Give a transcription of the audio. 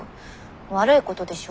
悪いことでしょ？